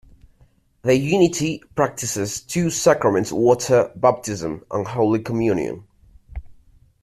The Unity practices two sacraments-water baptism and holy communion.